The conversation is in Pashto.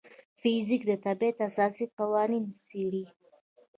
فزیک د طبیعت اساسي قوانین څېړي.